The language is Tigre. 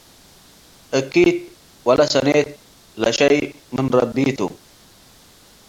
እኪት ወለሰኔት ለሸይ ምን ረቢ ቱ።